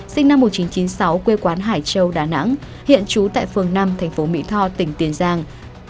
sinh năm một nghìn chín trăm chín mươi sáu quê quán hải châu đà nẵng hiện trú tại phường năm thành phố mỹ tho tỉnh tiền giang